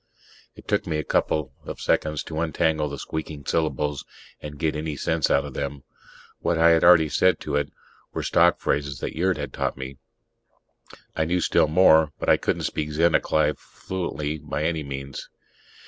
It took me a couple of seconds to untangle the squeaking syllables and get any sense out of them. What I had already said to it were stock phrases that Yurt had taught me; I knew still more, but I couldn't speak Zennacai fluently by any means.